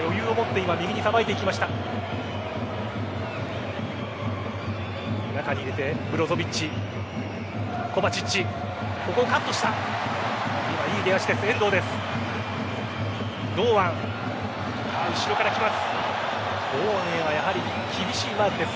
今、いい出足です遠藤です。